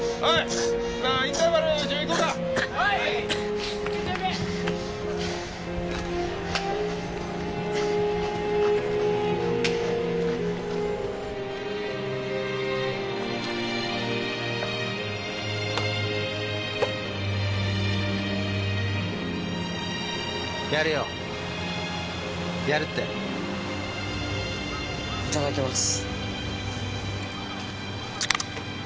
いただきます。